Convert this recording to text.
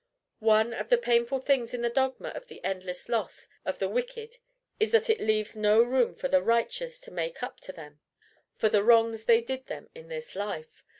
One of the painful things in the dogma of the endless loss of the wicked is that it leaves no room for the righteous to make up to them for the wrongs they did them in this life.